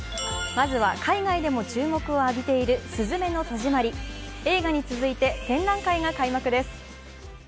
まずは海外でも注目を浴びている「すずめの戸締まり」、映画に続いて展覧会が開幕です。